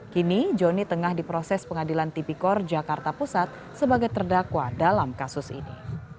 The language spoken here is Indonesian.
kini joni tengah diproses pengadilan tipikor jakarta pusat sebagai terdakwa dalam kasus ini